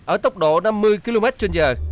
ở tốc độ năm mươi km trên giờ